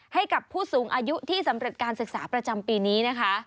ให้กับผู้สูงอายุที่สำเร็จการศึกษาประจำปีนี้นะคะ